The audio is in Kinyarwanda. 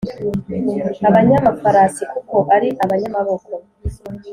abanyamafarasi kuko ari abanyamaboko,